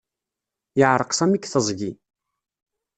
Yeεreq Sami deg teẓgi.